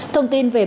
thông tin về bản tin